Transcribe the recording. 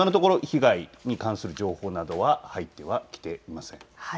今のところ被害に関する情報などは入ってはきていません。